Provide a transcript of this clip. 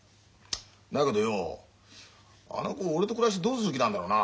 だけどよあの子俺と暮らしてどうする気なんだろうなあ。